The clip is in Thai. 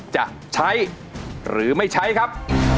จะใช้หรือไม่ใช้ครับ